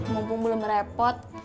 mumpung belum repot